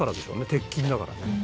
鉄筋だからね」